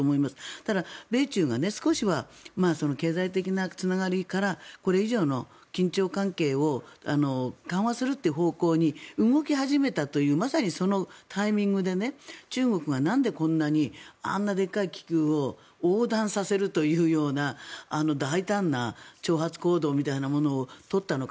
ただ、米中が少しは経済的なつながりからこれ以上の緊張関係を緩和するという方向に動き始めたというまさにそのタイミングで中国がなんでこんなにあんなでかい気球を横断させるというような大胆な挑発行動みたいなものを取ったのか。